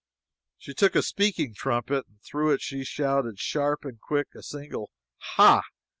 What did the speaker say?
She took a speaking trumpet and through it she shouted, sharp and quick, a single "Ha!"